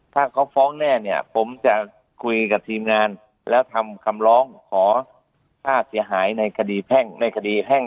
ถ้าเขาฟ้องแน่เนี่ยผมจะคุยกับทีมงานแล้วทำคำร้องขอค่าเสียหายในคดีแพ่งในคดีแพ่ง